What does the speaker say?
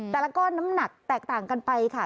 แต่ละก้อนน้ำหนักแตกต่างกันไปค่ะ